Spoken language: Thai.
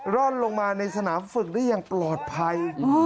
ร่อนลงมาในสนามฝึกได้อย่างปลอดภัย